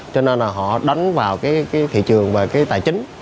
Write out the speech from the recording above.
cho nên là họ đánh vào cái thị trường về cái tài chính